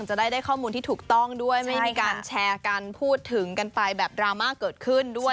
จะได้ข้อมูลที่ถูกต้องด้วยไม่มีการแชร์กันพูดถึงกันไปแบบดราม่าเกิดขึ้นด้วย